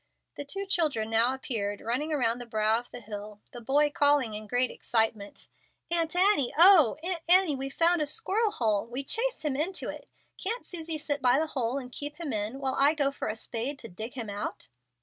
The two children now appeared, running around the brow of the hill, the boy calling in great excitement: "Aunt Annie, oh! Aunt Annie, we've found a squirrel hole. We chased him into it. Can't Susie sit by the hole and keep him in, while I go for a spade to dig him out?"